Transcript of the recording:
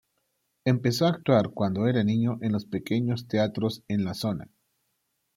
Empezó a actuar cuando era niño en los pequeños teatros en la zona.